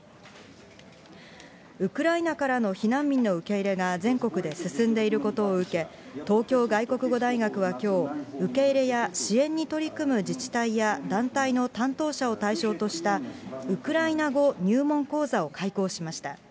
ウクライナからの避難民の受け入れが全国で進んでいることを受け、東京外国語大学はきょう、受け入れや支援に取り組む自治体や団体の担当者を対象とした、ウクライナ語入門講座を開講しました。